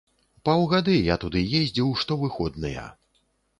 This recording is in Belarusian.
Паўгады я туды ездзіў штовыходныя.